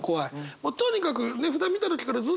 もうとにかく値札見た時からずっと怖い。